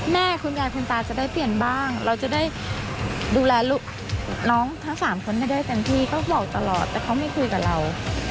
แม่คุณยายคุณตาจะได้เปลี่ยนบ้างเราจะได้ดูแลลูกน้องทั้ง๓คนให้ได้เต็มที่ก็บอกตลอดแต่เขาไม่คุยกับเรา